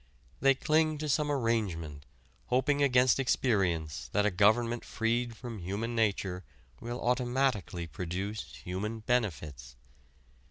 They cling to some arrangement, hoping against experience that a government freed from human nature will automatically produce human benefits.